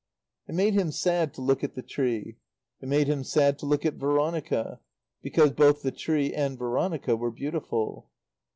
It made him sad to look at the tree; it made him sad to look at Veronica because both the tree and Veronica were beautiful.